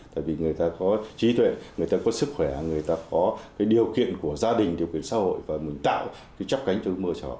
tại vì người ta có trí tuệ người ta có sức khỏe người ta có cái điều kiện của gia đình điều kiện xã hội và mình tạo cái chấp cánh cho mưa cháu